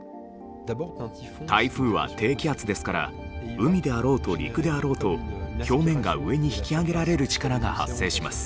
台風は低気圧ですから海であろうと陸であろうと表面が上に引き上げられる力が発生します。